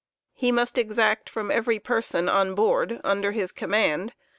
i^p" acuity Ue*must exact from every person on board, under his command